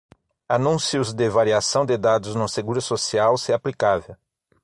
Anúncios de variação de dados no Seguro Social, se aplicável.